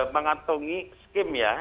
mengantungi skim ya